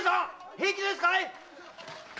平気ですかい？